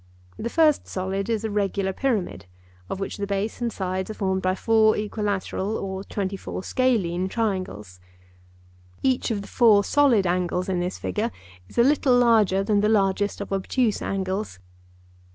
The first solid is a regular pyramid, of which the base and sides are formed by four equilateral or twenty four scalene triangles. Each of the four solid angles in this figure is a little larger than the largest of obtuse angles.